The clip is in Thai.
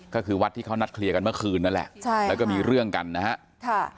ก็คือวัดที่เขานัดเคลียร์กันเมื่อคืนนั่นแหละใช่แล้วก็มีเรื่องกันนะฮะ